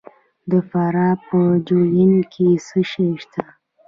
د فراه په جوین کې څه شی شته؟